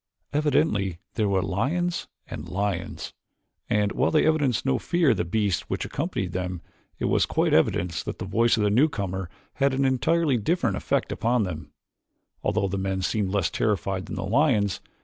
Evidently there were lions and lions, and while they evinced no fear of the beasts which accompanied them, it was quite evident that the voice of the newcomer had an entirely different effect upon them, although the men seemed less terrified than the lions.